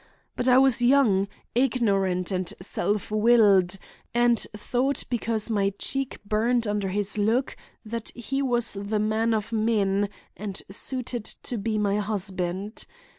But I was young, ignorant and self willed, and thought because my cheek burned under his look that he was the man of men, and suited to be my husband.